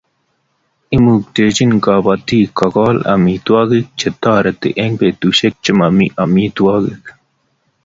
imukchini kabatik ko kol amitwogik che tareti eng'petushek che mamii amitwogik